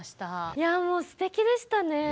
いやあもうすてきでしたね。